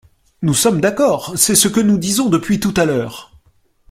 Nous sommes d’accord ! C’est ce que nous disons depuis tout à l’heure.